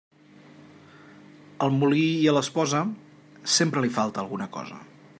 Al molí i a l'esposa, sempre li falta alguna cosa.